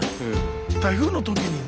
台風の時にね